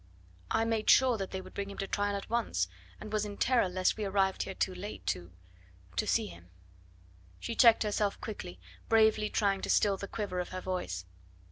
I made sure that they would bring him to trial at once, and was in terror lest we arrived here too late to to see him." She checked herself quickly, bravely trying to still the quiver of her voice.